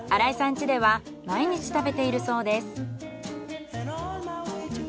家では毎日食べているそうです。